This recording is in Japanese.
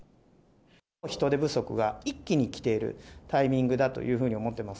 人手不足が一気にきているタイミングだというふうに思ってます。